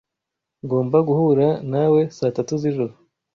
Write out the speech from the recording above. Ngomba guhura nawe saa tatu zijoro.